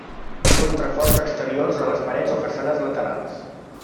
Té contraforts exteriors a les parets o façanes laterals.